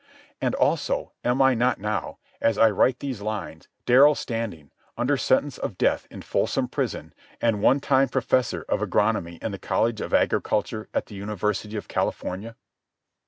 And, also, am I not now, as I write these lines, Darrell Standing, under sentence of death in Folsom Prison and one time professor of agronomy in the College of Agriculture of the University of California?